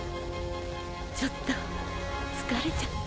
ちょっと疲れちゃった。